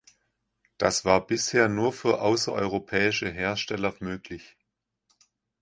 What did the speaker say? Das war bisher nur für außereuropäische Hersteller möglich.